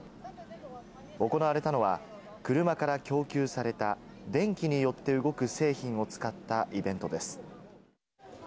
行われたのは、車から供給された、電気によって動く製品を使ったイベントです。